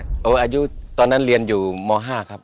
อายุตอนนั้นเรียนอยู่ม๕ครับ